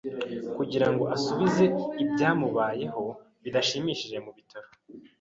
Kugira ngo asubize ibyamubayeho bidashimishije mu bitaro,